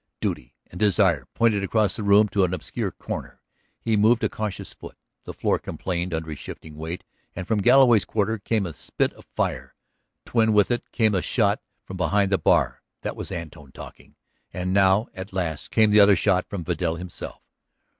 Duty and desire pointed across the room to the obscure corner. He moved a cautious foot. The floor complained under his shifting weight and from Galloway's quarter came a spit of fire. Twin with it came a shot from behind the bar. That was Antone talking. And now at last came the other shot from Vidal himself.